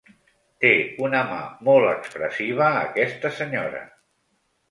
Té una mà molt expressiva, aquesta senyora.